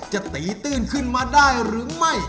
จะตีตื้นขึ้นมาได้หรือไม่